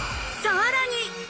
さらに。